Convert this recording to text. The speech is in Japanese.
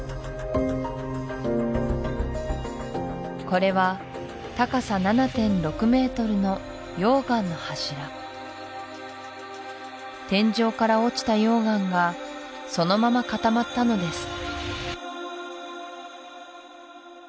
これは高さ７．６ｍの溶岩の柱天井から落ちた溶岩がそのまま固まったのです